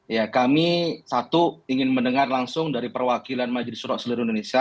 ya kami satu ingin mendengar langsung dari perwakilan majelis surok seluruh indonesia